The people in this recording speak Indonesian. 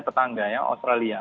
tetangga ya australia